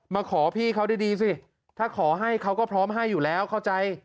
มาขอพี่เขาดีสิถ้าขอให้เขาก็พร้อมให้อยู่แล้วเข้าใจ